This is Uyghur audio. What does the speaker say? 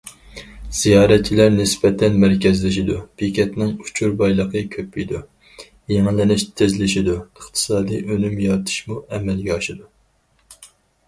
زىيارەتچىلەر نىسبەتەن مەركەزلىشىدۇ، بېكەتنىڭ ئۇچۇر بايلىقى كۆپىيىدۇ، يېڭىلىنىشى تېزلىشىدۇ، ئىقتىسادىي ئۈنۈم يارىتىشمۇ ئەمەلگە ئاشىدۇ.